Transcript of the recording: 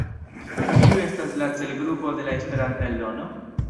Kiu estas la celgrupo de la Esperanta eldono?